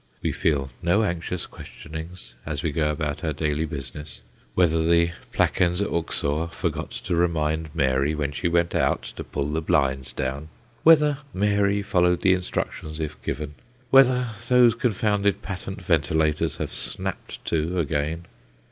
We feel no anxious questionings, as we go about our daily business, whether the placens uxor forgot to remind Mary, when she went out, to pull the blinds down; whether Mary followed the instructions if given; whether those confounded patent ventilators have snapped to again.